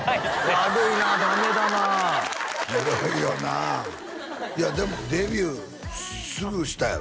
悪いなダメだなあひどいよなあいやでもデビューすぐしたやろ？